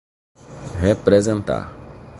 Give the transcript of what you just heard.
representar